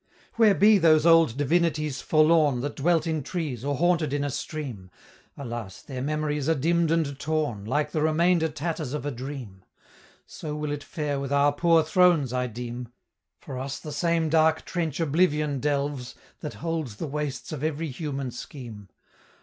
"Where be those old divinities forlorn, That dwelt in trees, or haunted in a stream? Alas! their memories are dimm'd and torn, Like the remainder tatters of a dream: So will it fare with our poor thrones, I deem; For us the same dark trench Oblivion delves, That holds the wastes of every human scheme.